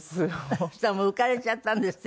そしたら浮かれちゃったんですって？